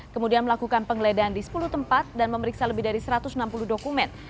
kemudian melakukan penggeledahan di sepuluh tempat dan memeriksa lebih dari satu ratus enam puluh dokumen